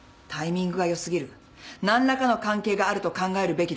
何らかの関係があると考えるべきだと思う。